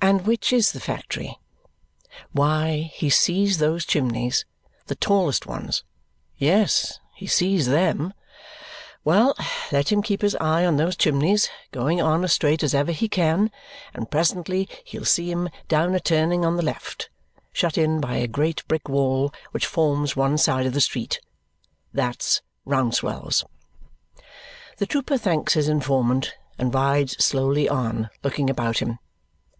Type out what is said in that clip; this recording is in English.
And which is the factory? Why, he sees those chimneys the tallest ones! Yes, he sees THEM. Well! Let him keep his eye on those chimneys, going on as straight as ever he can, and presently he'll see 'em down a turning on the left, shut in by a great brick wall which forms one side of the street. That's Rouncewell's. The trooper thanks his informant and rides slowly on, looking about him.